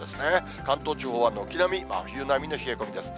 関東地方は軒並み真冬並みの冷え込みです。